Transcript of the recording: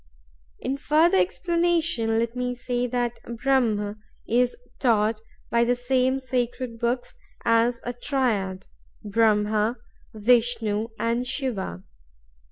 In further explanation let me say that Brahm is taught, by the same sacred books, as a Triad—Brahma, Vishnu, and Shiva.